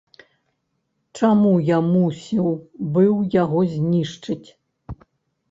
Чаму я мусіў быў яго знішчыць?